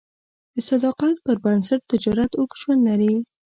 د صداقت پر بنسټ تجارت اوږد ژوند لري.